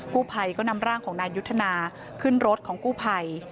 กู้ภัยก็นำร่างของนายยุทธนาขึ้นรถของกู้ภัย